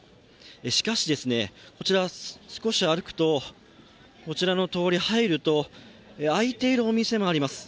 しかし、少し歩くと、こちらの通りに入ると、開いているお店もあります。